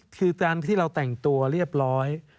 คือการที่เราแต่งตัวเรียบร้อย